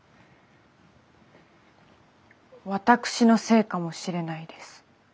私のせいかもしれないです。